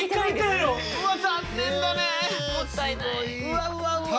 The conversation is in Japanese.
うわ！